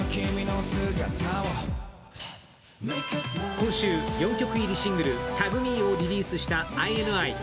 今週、４曲入りシングル「ＴＡＧＭＥ」をリリースしたＩＮＩ。